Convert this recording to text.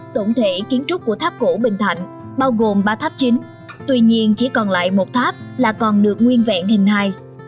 tổng thể kiến trúc của tháp cổ bình thạnh bao gồm ba tháp chính tuy nhiên chỉ còn lại một tháp là còn được nguyên vẹn hình hài